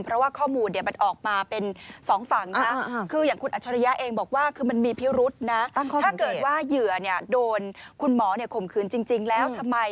เพราะว่าข้อมูลเดี๋ยวออกมาเป็น๒ฝั่งคือ